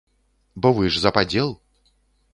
Бо вы ж за падзел.